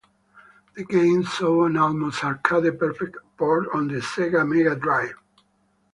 The game saw an almost arcade perfect port on the Sega Mega Drive.